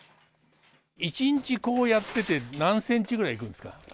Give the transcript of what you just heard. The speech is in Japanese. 一日こうやってて何センチぐらいいくんですか？